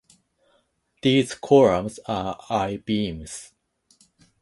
These columns are I-beams.